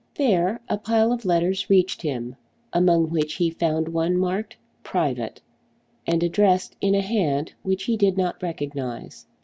There a pile of letters reached him, among which he found one marked "Private," and addressed in a hand which he did not recognise.